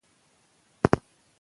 ادبي موضوعات باید په مینه وڅېړل شي.